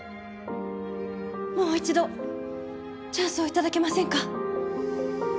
もう一度チャンスを頂けませんか？